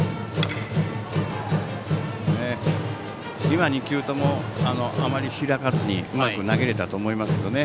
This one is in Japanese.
今、２球ともあまり開かずにうまく投げれたと思いますけどね。